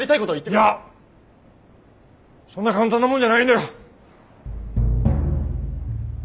いやそんな簡単なもんじゃないんだよ！